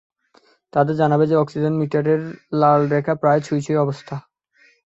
তাদের জানাবে যে, অক্সিজেন মিটারের লাল রেখা প্রায় ছুঁই-ছুঁই অবস্থা।